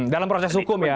dalam proses hukum ya